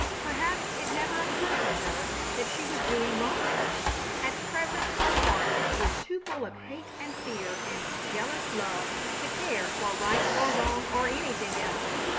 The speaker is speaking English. Perhaps it never occurred to her that she was doing wrong. At present her heart was too full of hate and fear and jealous love to care for right or wrong or anything else.